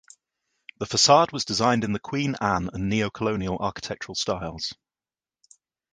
The facade was designed in the Queen Anne and Neocolonial architectural styles.